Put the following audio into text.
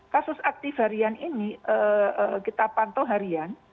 kasus aktif harian ini kita pantau harian